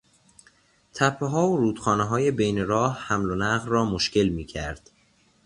تپهها و رودخانههای بین راه، حمل و نقل را مشکل میکرد.